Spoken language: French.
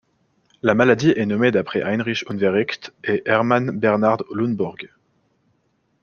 La maladie est nommée d’après Heinrich Unverricht et Herman Bernhard Lundborg.